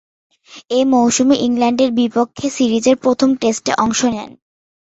এ মৌসুমে ইংল্যান্ডের বিপক্ষে সিরিজের প্রথম টেস্টে অংশ নেন।